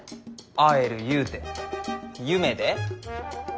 会えるゆうて夢で？